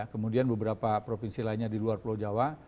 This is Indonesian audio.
kemudian beberapa provinsi lainnya di luar pulau jawa